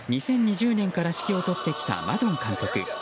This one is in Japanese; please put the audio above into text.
２０２０年から指揮を執ってきたマドン監督。